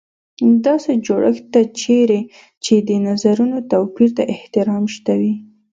داسې جوړښت ته چېرې چې د نظرونو توپیر ته احترام شته وي.